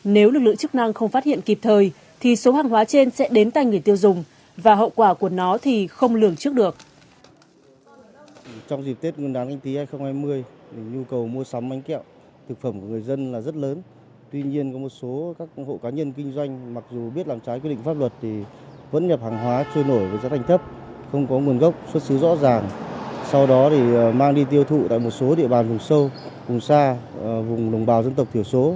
nếu lực lượng chức năng không phát hiện kịp thời thì số hàng hóa trên sẽ đến tay người tiêu dùng và hậu quả của nó thì không lường trước được